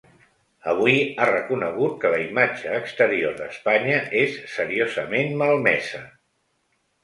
Avui ha reconegut que la imatge exterior d’Espanya és ‘seriosament malmesa’.